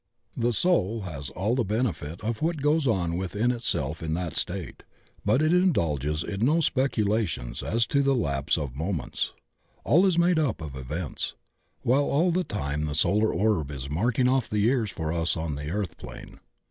The soul has all the benefit of what goes on within itself in that state, but 112 THE OCEAN OF THEOSOPHY it indulges in no speculations as to the lapse of mo ments; all is made up of events, while all me time the solar orb is marking off the years for us on the earth plane.